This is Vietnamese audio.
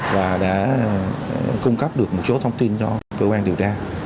và đã cung cấp được một số thông tin cho cơ quan điều tra